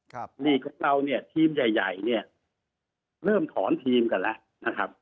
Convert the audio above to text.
หลีกเราเนี่ยทีมใหญ่เนี่ยเริ่มถอนทีมกันแล้วนะครับ